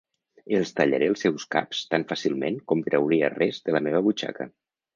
Els tallaré els seus caps tan fàcilment com trauria res de la meva butxaca!